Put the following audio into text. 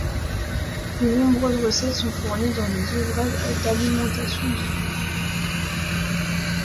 De nombreuses recettes sont fournies dans les ouvrages d'alimentation vivante.